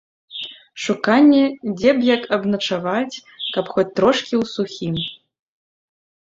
Шуканне, дзе б як абначаваць, каб хоць трошку ў сухім.